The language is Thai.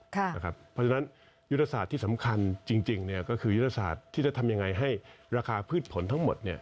เพราะฉะนั้นยุทธศาสตร์ที่สำคัญจริงก็คือยุทธศาสตร์ที่จะทำยังไงให้ราคาพืชผลทั้งหมด